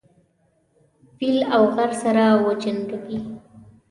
فيل او غر سره وجنګوي.